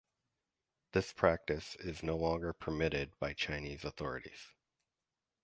This practice is no longer permitted by Chinese authorities.